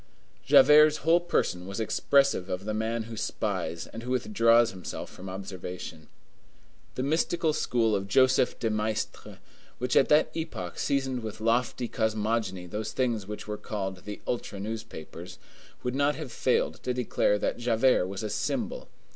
Javert's whole person was expressive of the man who spies and who withdraws himself from observation. The mystical school of Joseph de Maistre, which at that epoch seasoned with lofty cosmogony those things which were called the ultra newspapers, would not have failed to declare that Javert was a symbol.